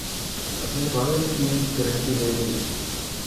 اپنی حفاظت کی گارنٹی لے لی